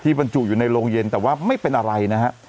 บรรจุอยู่ในโรงเย็นแต่ว่าไม่เป็นอะไรนะฮะ